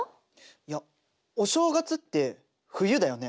いやお正月って冬だよね。